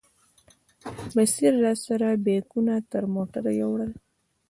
بصیر راسره بیکونه تر موټره یوړل.